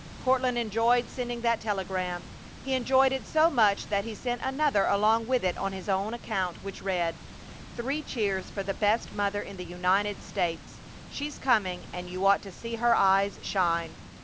Courtland enjoyed sending that telegram. He enjoyed it so much that he sent another along with it on his own account, which read: Three cheers for the best mother in the United States! She's coming and you ought to see her eyes shine!